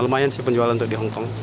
lumayan sih penjualan untuk di hongkong